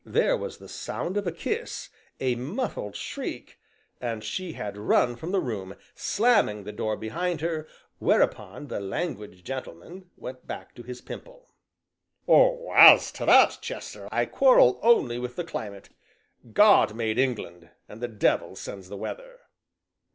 There was the sound of a kiss, a muffled shriek, and she had run from the room, slamming the door behind her, whereupon the languid gentleman went back to his pimple. "Oh! as to that, Chester, I quarrel only with the climate. God made England, and the devil sends the weather!"